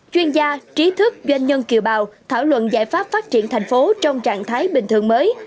chuyên gia trí thức doanh nhân kiều bào thảo luận giải pháp phát triển thành phố trong trạng thái bình thường mới